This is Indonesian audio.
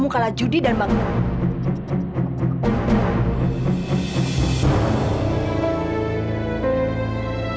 hal ini sangat penting kak